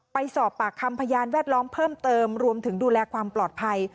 ไปสอบปากคำพยานแวดล้อมเพิ่มเติมรวมถึงดูแลความปลอดภัย